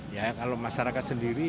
ya kalau masyarakat sendiri